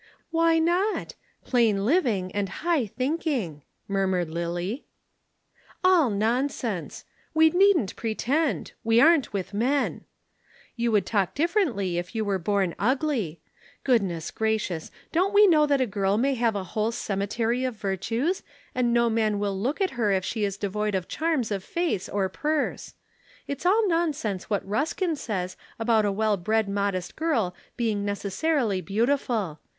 "Why not? Plain living and high thinking!" murmured Lillie. "All nonsense! We needn't pretend we aren't with men. You would talk differently if you were born ugly! Goodness gracious, don't we know that a girl may have a whole cemetery of virtues and no man will look at her if she is devoid of charms of face or purse. It's all nonsense what Ruskin says about a well bred modest girl being necessarily beautiful.